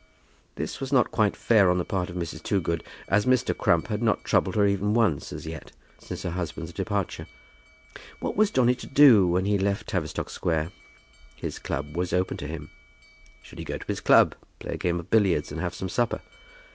This was not quite fair on the part of Mrs. Toogood, as Mr. Crump had not troubled her even once as yet since her husband's departure. What was Johnny to do, when he left Tavistock Square? His club was open to him. Should he go to his club, play a game of billiards, and have some supper?